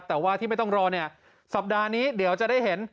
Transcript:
แต่ว่าที่ไม่ต้องรอเนี่ยสัปดาห์นี้เดี๋ยวจะได้เห็น